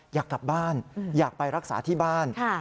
อยากกลับบ้านอยากไปรักษาที่บ้าน